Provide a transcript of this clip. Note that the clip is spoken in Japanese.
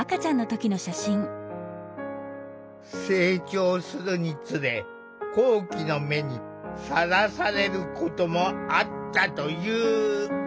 成長するにつれ好奇の目にさらされることもあったという。